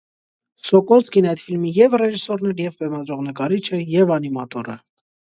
Սոկոլսկին այդ ֆիլմի և՛ ռեժիսորն էր, և՛ բեմադրող նկարիչը, և՛ անիմատորը։